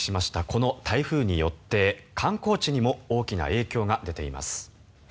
この台風によって観光地にも大きな影響が出ています。